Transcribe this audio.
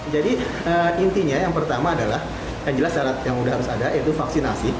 jadi intinya yang pertama adalah yang jelas syarat yang udah harus ada yaitu vaksinasi